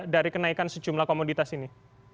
dari kenaikan sejumlah komoditas ini